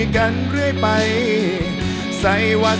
ขอบคุณมาก